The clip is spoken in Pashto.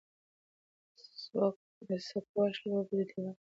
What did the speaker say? د سکواش لوبه د دیوال په وړاندې په ډېر سرعت سره ترسره کیږي.